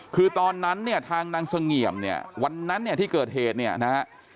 คือตอนนั้นเนี่ยทางนางเสงี่ยมเนี่ยวันนั้นเนี่ยที่เกิดเหตุเนี่ยนะฮะ